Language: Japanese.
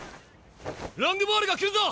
ロングボールが来るぞ！